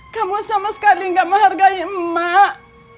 kamu sama sekali tidak menghargai emak